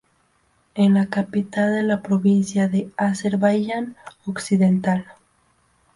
Es la capital de la provincia de Azerbaiyán Occidental.